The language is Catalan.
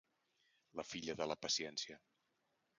La filla de la paciència.